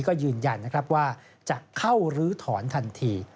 ก็ยืนยันนะครับว่าจะเข้าลื้อถอนทันที